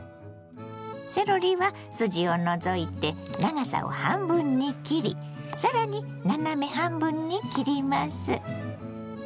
セロリは筋を除いて長さを半分に切りさらに斜め半分に切ります。